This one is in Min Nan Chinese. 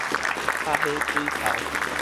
拍火水頭